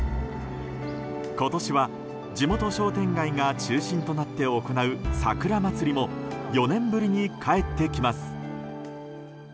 今年は地元商店街が中心となって行う桜まつりも４年ぶりに帰ってきます。